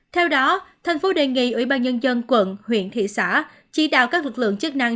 theo đó thành phố đề nghị ủy ban nhân dân quận huyện thị xã chỉ đào các lực lượng chức năng